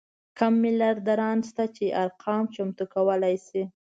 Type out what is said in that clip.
کم میلیاردران شته چې ارقام چمتو کولی شو.